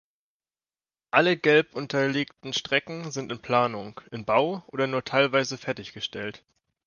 Alle gelb unterlegten Strecken sind in Planung, in Bau oder nur teilweise fertiggestellt.